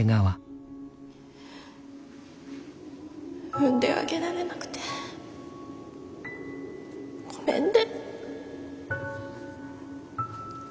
産んであげられなくてごめんね。